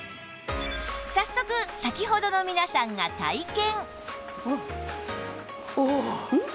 早速先ほどの皆さんが体験